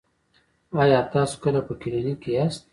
ایا تاسو کله په کلینیک کې یاست؟